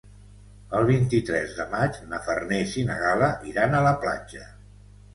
El vint-i-tres de maig na Farners i na Gal·la iran a la platja.